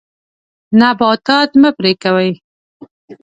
نباتات مه پرې کوئ.